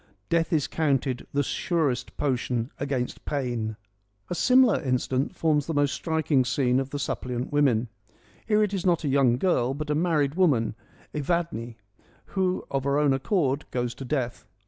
Death is counted the surest potion against pain.' A similar incident forms the most striking scene of the Suppliant Women. Here it is not a young girl, but a married woman, Evadne, who of her own accord goes to death.